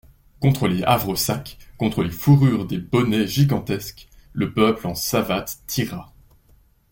Contre les havresacs, contre les fourrures des bonnets gigantesques, le peuple en savates tira.